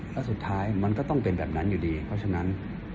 แล้วสุดท้ายมันก็ต้องเป็นแบบนั้นอยู่ดีเพราะฉะนั้น